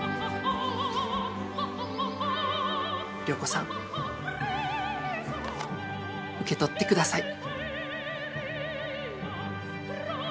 良子さん受け取ってください。